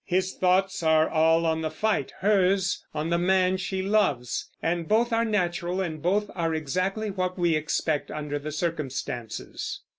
His thoughts are all on the fight; hers on the man she loves; and both are natural, and both are exactly what we expect under the circumstances.